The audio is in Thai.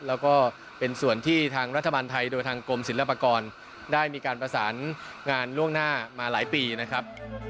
แล้วก็เป็นส่วนที่ทางรัฐบาลไทยโดยทางกรมศิลปากรได้มีการประสานงานล่วงหน้ามาหลายปีนะครับ